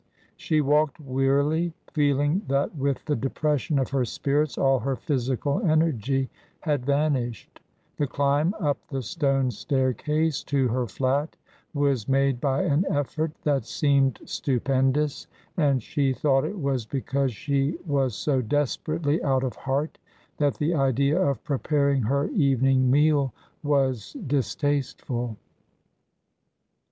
She walked wearily, feeling that with the depression of her spirits all her physical energy had vanished; the climb up the stone staircase to her flat was made by an effort that seemed stupendous, and she thought it was because she was so desperately out of heart that the idea of preparing her evening meal was distasteful.